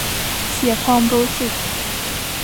เสียความรู้สึก